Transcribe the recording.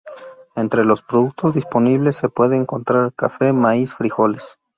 Entre los productos disponibles se puede encontrar: Cafe, Maiz, Frijoles.